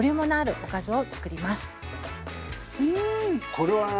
これはな